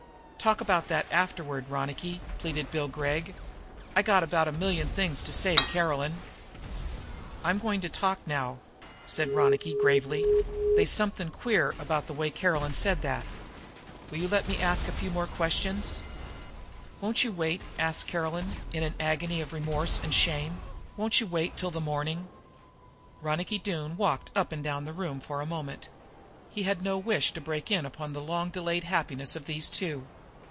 "Talk about that afterward, Ronicky," pleaded Bill Gregg. "I got about a million things to say to Caroline." "I'm going to talk now," said Ronicky gravely. "They's something queer about the way Caroline said that. Will you let me ask you a few more questions?" "Won't you wait?" asked Caroline, in an agony of remorse and shame. "Won't you wait till the morning?" Ronicky Doone walked up and down the room for a moment. He had no wish to break in upon the long delayed happiness of these two.